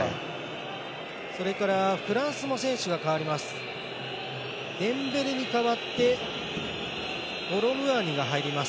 それからフランスも選手が代わります。